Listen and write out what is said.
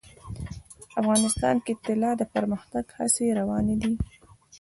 افغانستان کې د طلا د پرمختګ هڅې روانې دي.